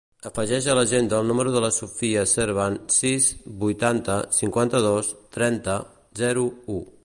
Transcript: Afegeix a l'agenda el número de la Sophia Servan: sis, vuitanta, cinquanta-dos, trenta, zero, u.